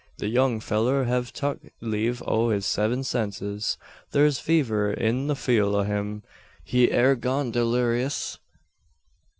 The young fellur hev tuck leeve o' his seven senses. Thur's fever in the feel o' him. He air gone dullerious!"